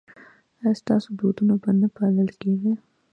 ایا ستاسو دودونه به نه پالل کیږي؟